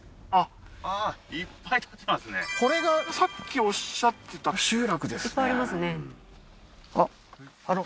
これがさっきおっしゃってた集落ですね